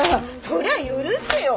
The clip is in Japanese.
そりゃ許すよ。